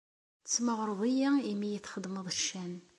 Tesmeɣreḍ-iyi imi i iyi-txedmeḍ ccan.